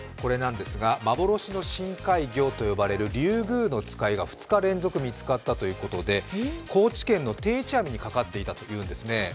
幻の深海魚と呼ばれるリュウグウノツカイが２日連続、見つかったということで高知県の定置網にかかっていたというんですね。